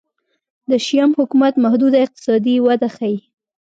د شیام حکومت محدوده اقتصادي وده ښيي.